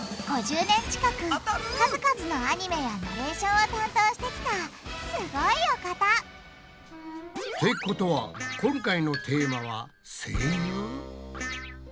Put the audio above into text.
５０年近く数々のアニメやナレーションを担当してきたすごいお方！ってことは今回のテーマは「声優」？